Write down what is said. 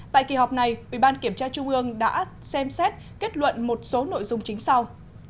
tại kỳ họp này ubkt trung ương đã xem xét kết luận một số nội dung chính sau